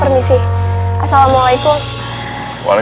malah main bola